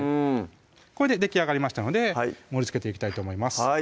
これでできあがりましたので盛りつけていきたいと思います